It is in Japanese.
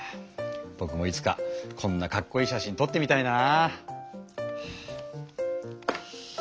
ぼくもいつかこんなかっこいい写真とってみたいな！